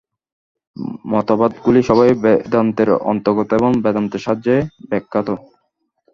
মতবাদগুলি সবই বেদান্তের অন্তর্গত এবং বেদান্তের সাহায্যে ব্যাখ্যাত।